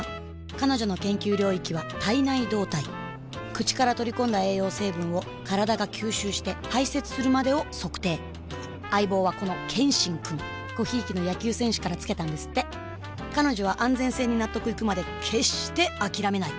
彼女の研究領域は「体内動態」口から取り込んだ栄養成分を体が吸収して排泄するまでを測定相棒はこの「ケンシン」くんご贔屓の野球選手からつけたんですって彼女は安全性に納得いくまで決してあきらめない！